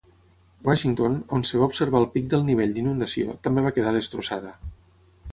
Washington, on es va observar el pic del nivell d'inundació, també va quedar destrossada.